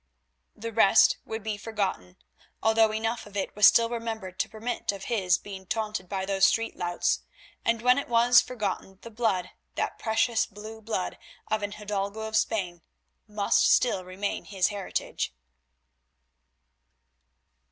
The rest would be forgotten, although enough of it was still remembered to permit of his being taunted by those street louts, and when it was forgotten the blood, that precious blue blood of an hidalgo of Spain, must still remain his heritage.